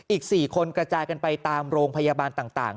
อีก๔คนกระจายกันไปตามโรงพยาบาลต่าง